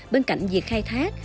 bên cạnh việc khai thác